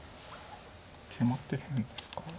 決まってるんですか？